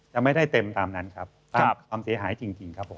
จะไม่ได้เต็มตามนั้นครับตามความเสียหายจริงครับผม